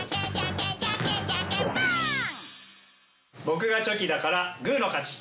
ボクがチョキだからグーの勝ち。